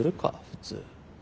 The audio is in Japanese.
普通。